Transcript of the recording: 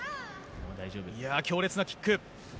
強烈なキック。